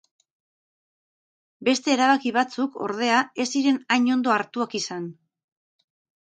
Beste erabaki batzuk, ordea, ez ziren hain ondo hartuak izan.